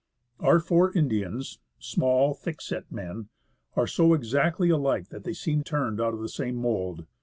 Our four Indians, small, thick set men, are so exactly alike that they seem turned out of the same mould.